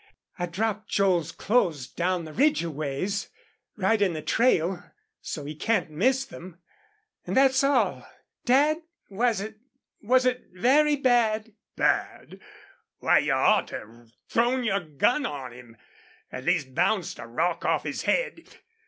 I dropped Joel's clothes down the ridge a ways, right in the trail, so he can't miss them. And that's all.... Dad, was it was it very bad?" "Bad! Why, you ought to have thrown your gun on him. At least bounced a rock off his head!